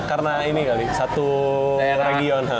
karena ini kali satu region ha